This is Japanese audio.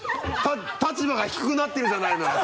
立場が低くなってるじゃないのよ